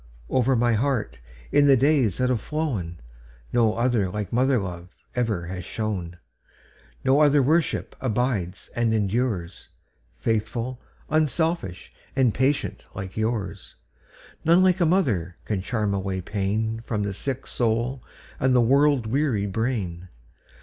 Over my heart, in the days that are flown, No love like mother love ever has shone; No other worship abides and endures,—Faithful, unselfish, and patient like yours:None like a mother can charm away painFrom the sick soul and the world weary brain.